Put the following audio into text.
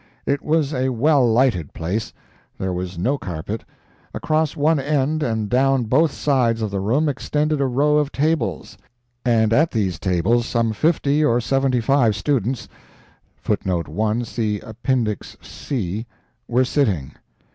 It was a well lighted place. There was no carpet. Across one end and down both sides of the room extended a row of tables, and at these tables some fifty or seventy five students [1. See Appendix C] were sitting.